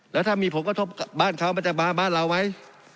แล้วถ้ามีผลกระทบกับบ้านเขามันจะมาบ้านเราไหม